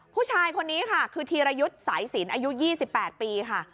ผู้ชายคนนี้ค่ะคือธีรยุทธ์สายสินอายุ๒๘ปีค่ะ